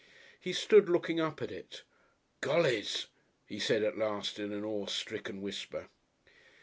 He stood looking up at it. "Gollys!" he said at last in an awestricken whisper.